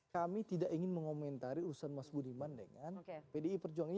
kami tidak ingin mengomentari urusan mas budiman dengan pdi perjuangan